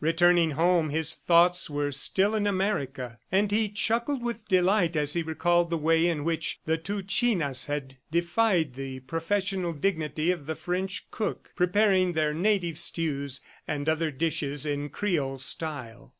Returning home, his thoughts were still in America, and he chuckled with delight as he recalled the way in which the two chinas had defied the professional dignity of the French cook, preparing their native stews and other dishes in Creole style.